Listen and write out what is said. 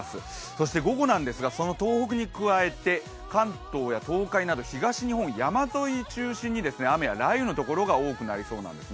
そして午後なんですが、その東北に加えて関東や東海など東日本、山沿いを中心に雨や雷雨のところが多くなりそうなんです。